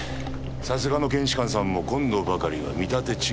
さすがの検視官さんも今度ばかりは見立て違いか。